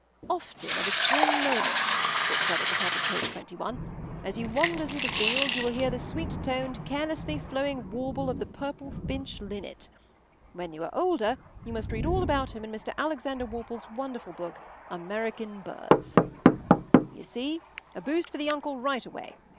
“Often of a spring morning,” it said at the top of page twenty one, “as you wander through the fields, you will hear the sweet toned, carelessly flowing warble of the purple finch linnet. When you are older you must read all about him in Mr. Alexander Worple’s wonderful book—_American Birds_.” You see. A boost for the uncle right away.